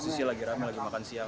sisi lagi rame lagi makan siang